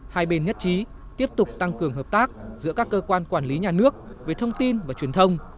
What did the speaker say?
hai bên nhất trí tiếp tục tăng cường hợp tác giữa các cơ quan quản lý nhà nước về thông tin và truyền thông